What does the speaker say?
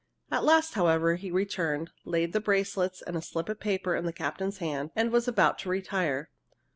At last, however, he returned, laid the bracelets and a slip of paper in the captain's hand, and was about to retire.